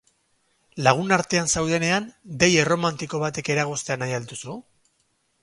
Lagun artean zaudenean dei erromantiko batek eragoztea nahi al duzu?